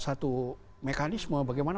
satu mekanisme bagaimana